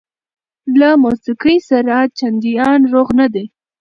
له موسقۍ سره چنديان روغ نه دي